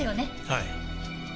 はい。